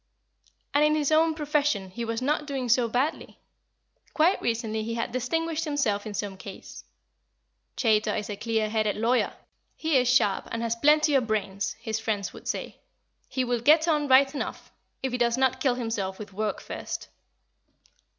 And in his own profession he was not doing so badly. Quite recently he had distinguished himself in some case. "Chaytor is a clear headed lawyer; he is sharp and has plenty of brains," his friends would say; "he will get on right enough, if he does not kill himself with work first."